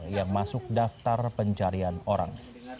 yang masuk daftar pencarian orang